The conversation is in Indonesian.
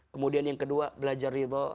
kemudian yang kedua belajar ridho